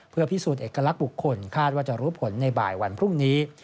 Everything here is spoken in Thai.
เพื่อพิสูจน์เอกลักษณ์บุคคลคาดว่าจะรู้ผลในบ่ายวันพรุ่งนี้